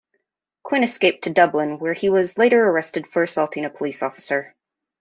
Quinn escaped to Dublin where he was later arrested for assaulting a police officer.